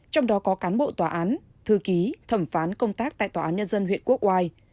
trong đó có cán bộ tòa án thư ký thẩm phán công tác tại tòa án nhân dân huyện quốc oai